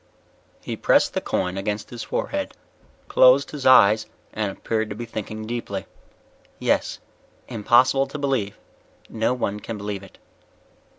_He pressed the coin against his forehead, closed his eyes and appeared to be thinking deeply. "Yes, impossible to believe. No one can believe it."